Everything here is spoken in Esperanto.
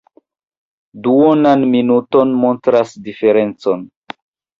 Duonan minuton montras diferencon.